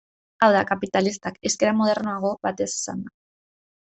Hau da, kapitalistak, hizkera modernoago batez esanda.